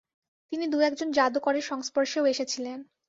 তিনি দু-একজন যাদুকরের সংস্পর্শেও এসেছিলেন।